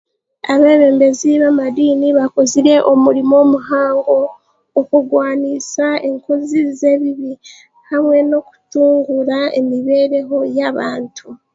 Abeebembezi bamadiini bakozire omurimo muhango okugwaniisa enkozi z'ebibi hamwe n'okutunguura emibeereho y'abantu